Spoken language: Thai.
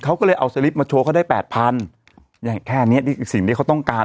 เขาก็เลยเอาสลิปมาโชว์เขาได้แปดพันอย่างแค่เนี้ยนี่คือสิ่งที่เขาต้องการ